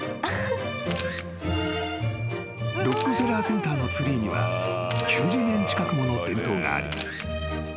［ロックフェラーセンターのツリーには９０年近くもの伝統があり］